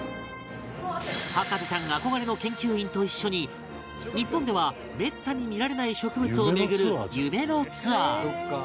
博士ちゃん憧れの研究員と一緒に日本ではめったに見られない植物を巡る夢のツアー